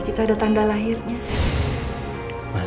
aku sudah tanya sama kamu